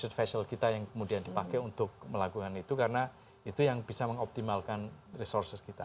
st facial kita yang kemudian dipakai untuk melakukan itu karena itu yang bisa mengoptimalkan resources kita